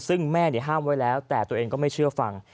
ซึ่งแม่ห้ามไว้แล้วแต่ตัวเองก็ไม่เชื่อฟัง